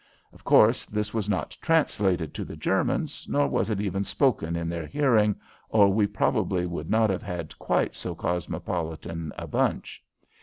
Of course, this was not translated to the Germans, nor was it even spoken in their hearing, or we probably would not have had quite so cosmopolitan a bunch.